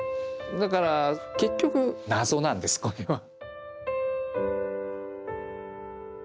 だから結局謎なんですこれは。